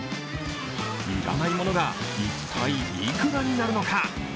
要らないものが一体いくらになるのか。